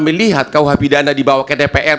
melihat kauhapidana dibawa ke dpr